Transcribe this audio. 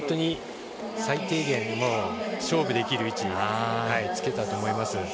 最低限、勝負できる位置につけたと思います。